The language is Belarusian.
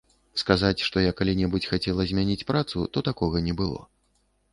Сказаць, што я калі-небудзь хацела змяніць працу, то такога не было.